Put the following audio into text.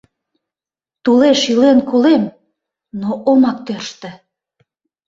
Тулеш йӱлен колем, но омак тӧрштӧ...